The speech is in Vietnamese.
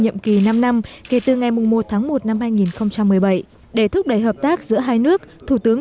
nhiệm kỳ năm năm kể từ ngày một tháng một năm hai nghìn một mươi bảy để thúc đẩy hợp tác giữa hai nước thủ tướng